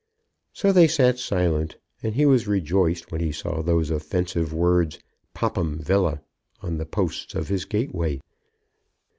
So they sat silent, and he was rejoiced when he saw those offensive words, Popham Villa, on the posts of his gateway.